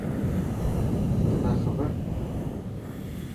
تون نا ڪر.